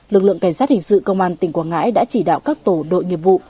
lực lượng cảnh sát hình sự công an tỉnh quảng ngãi đã chỉ đạo các tổ đội nghiệp vụ